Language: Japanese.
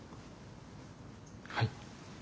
はい。